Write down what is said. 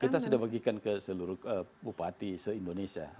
kita sudah bagikan ke seluruh bupati se indonesia